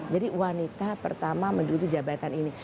jadi wanita pertama menduduki jabatan ini